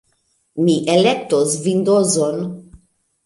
Mi elektos Vindozon.